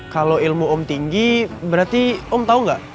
kalau ilmu om tinggi berarti om tahu nggak